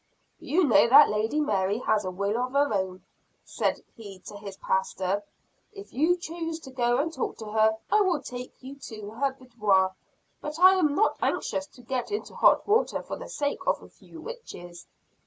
"You know that Lady Mary has a will of her own," said he to his pastor. "If you choose to go and talk to her, I will take you to her boudoir; but I am not anxious to get into hot water for the sake of a few witches."